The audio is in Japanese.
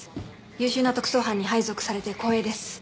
優秀な特捜班に配属されて光栄です。